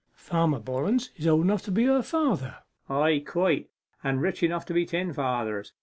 'Farmer Bollens is old enough to be her father!' 'Ay, quite; and rich enough to be ten fathers.